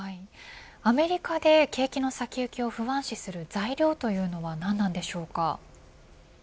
アメリカで景気の先行きを不安視する材料とは何なのでしょうか。